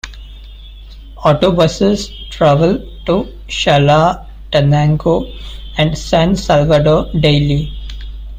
Autobuses travel to Chalatenango and San Salvador daily.